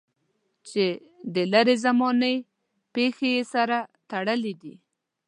چې د لرې زمانې پېښې یې سره تړلې دي.